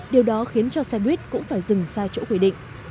điều đó khiến cho xe buýt cũng phải dừng sai chỗ quy định